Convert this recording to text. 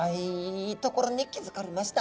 いいところに気付かれました。